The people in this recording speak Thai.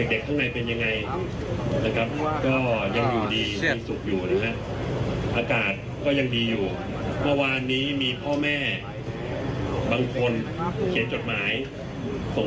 ได้เชี่ยวชาญชาวองค์ผลิตนะครับ